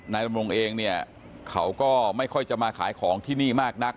ดำรงเองเนี่ยเขาก็ไม่ค่อยจะมาขายของที่นี่มากนัก